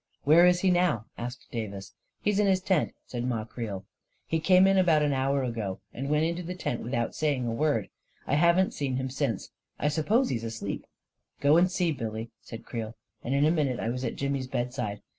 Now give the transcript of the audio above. " Where is he now ?" asked Davis, 4< He's in his tent," said Ma Creel. " He came in about an hour ago, and went into the tent without saying a word, and I haven't seen him since. I sup pose he's asleep ..•"" Go and see, Billy," said Creel, and in a minute I was at Jimmy's bedside.